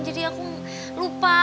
jadi aku lupa